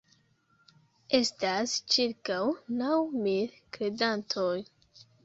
Estas ĉirkaŭ naŭ mil kredantoj.